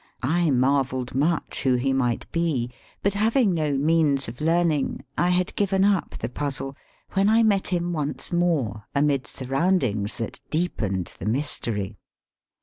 I marvelled much who he might be, but having no means of learning I had given up the puzzle when I met him once more amid surroundings that deepened the mystery.